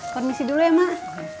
permisi dulu ya mak